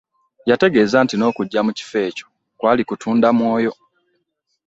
Yantegeeza nti n'okujja mu kifo ekyo kwali kutunda mwoyo.